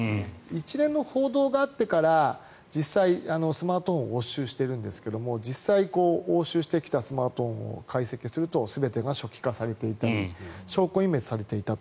一連の報道があってから実際スマートフォンを押収しているんですが実際、押収してきたスマートフォンを解析すると全てが初期化されていて証拠隠滅されていたと。